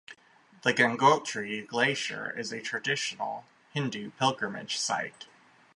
The Gangotri glacier is a traditional Hindu pilgrimage site.